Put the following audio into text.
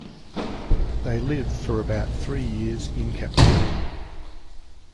They live for about three years in captivity.